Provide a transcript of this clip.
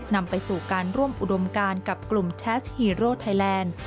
นำไปสู่การร่วมอุดมการกับกลุ่มแชทฮีโร่ไทยแลนด์